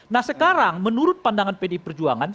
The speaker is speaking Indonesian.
nah sekarang menurut pandangan pdi perjuangan